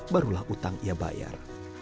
barulah utang ia bayar